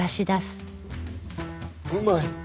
うまい。